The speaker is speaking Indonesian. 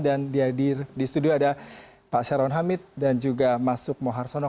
dan di hadir di studio ada pak sharon hamid dan juga mas suk mohar sonok